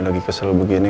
lagi kesel begini